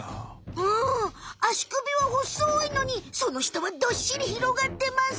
うん足くびはほっそいのにそのしたはどっしりひろがってます。